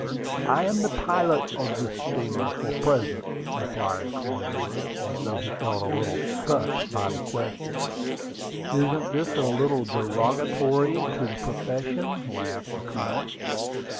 "I am the pilot of this steamer for the present," replied Cornwood; and I thought he felt a little "cut" by the question. "Isn't this a little derogatory to the profession?" laughed the Colonel.